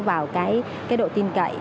vào độ tin cậy